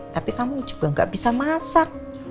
tapi kamu juga gak bisa masak